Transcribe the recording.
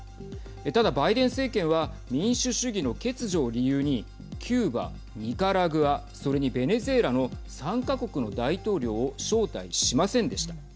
ただ、バイデン政権は民主主義の欠如を理由にキューバ、ニカラグアそれにベネズエラの３か国の大統領を招待しませんでした。